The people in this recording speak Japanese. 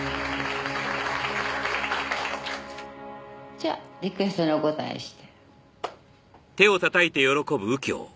じゃリクエストにお応えして。